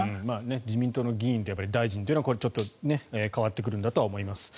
自民党の議員と大臣というのは変わってくるんだとは思います。